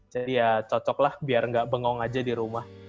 jadi ya cocoklah biar nggak bengong aja di rumah